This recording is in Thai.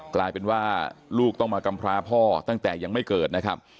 กลายเป็นว่าลูกต้องมากำพราพ่อตั้งแต่ยังไม่เกิดนะครับ